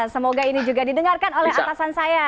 semoga ini juga didengarkan oleh atasan saya